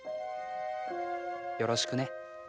「よろしくね」